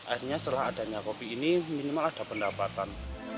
akhirnya setelah adanya kopi ini minimal ada pendapatan